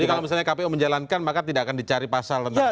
jadi kalau misalnya kpu menjalankan maka tidak akan dicari pasal tentang pidana